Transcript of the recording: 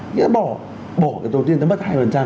nghĩa là bỏ cái tổ tiên nó mất hai